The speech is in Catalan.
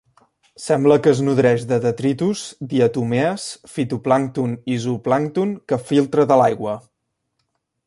Sembla que es nodreix de detritus, diatomees, fitoplàncton i zooplàncton que filtra de l'aigua.